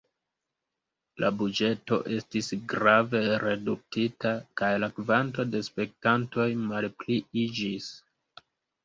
La buĝeto estis grave reduktita kaj la kvanto de spektantoj malpliiĝis.